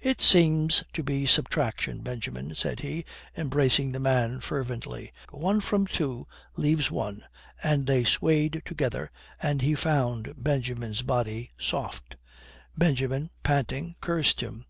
"It seems to be subtraction, Benjamin," said he, embracing the man fervently. "One from two leaves one," and they swayed together, and he found Benjamin's body soft. Benjamin, panting, cursed him.